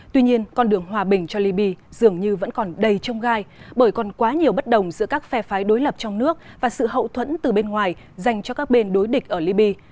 tuy nhiên con đường hòa bình cho libya dường như vẫn còn đầy trông gai bởi còn quá nhiều bất đồng giữa các phe phái đối lập trong nước và sự hậu thuẫn từ bên ngoài dành cho các bên đối địch ở liby